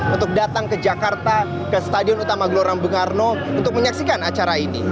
untuk datang ke jakarta ke stadion utama gelora bung karno untuk menyaksikan acara ini